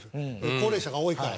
高齢者が多いから。